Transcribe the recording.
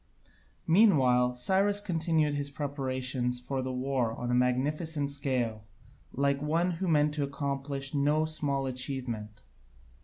Meanwhile Cyrus continued his preparations for the war on a magnificent scale, like one who meant to accomplish no small achievement.